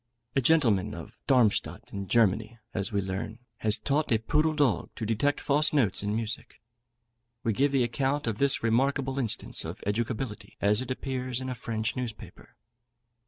A gentleman of Darmstadt, in Germany, as we learn, has taught a poodle dog to detect false notes in music. We give the account of this remarkable instance of educability as it appears in a French newspaper.